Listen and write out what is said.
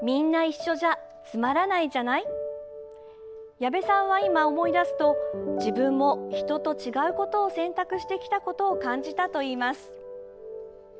矢部さんは、今、思い出すと自分も人と違うことを選択してきたことを感じたといいます。